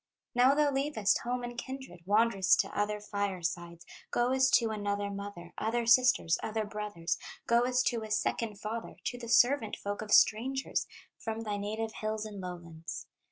"Now thou leavest home and kindred, Wanderest to other firesides, Goest to another mother, Other sisters, other brothers, Goest to a second father, To the servant folk of strangers, From thy native hills and lowlands.